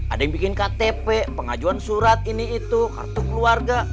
ada yang bikin ktp pengajuan surat ini itu kartu keluarga